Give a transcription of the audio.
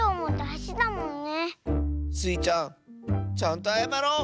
スイちゃんちゃんとあやまろう！